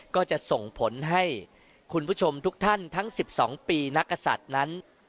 ก็จะส่งผลให้คุณผู้ชมทุกท่านทั้ง๑๒ปีนักศัตริย์นั้น